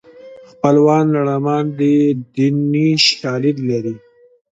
خپلوان لړمان دي دیني شالید لري